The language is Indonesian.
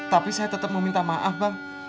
tapi saya tetep mau minta maaf bang